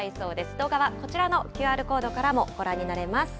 動画はこちらのＱＲコードからもご覧になれます。